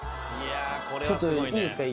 ちょっといいですか？